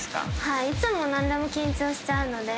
いつもなんでも緊張しちゃうので。